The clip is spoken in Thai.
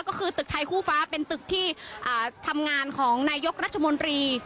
ก็คือตึกไทยคู่ฟ้าเป็นตึกที่ทำงานของนายกรัฐมนตรี